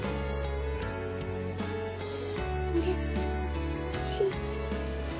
うれしい。